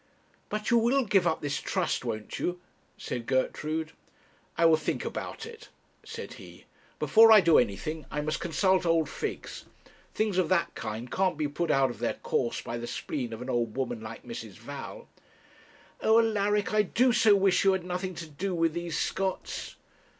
'But you will give up this trust, won't you?' said Gertrude. 'I will think about it,' said he. 'Before I do anything I must consult old Figgs. Things of that kind can't be put out of their course by the spleen of an old woman like Mrs. Val.' 'Oh, Alaric, I do so wish you had had nothing to do with these Scotts!'